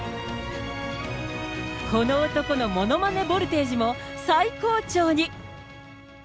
この男のものまねボルテージも最高潮に。